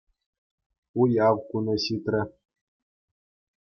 Уяв кунӗ ҫитрӗ.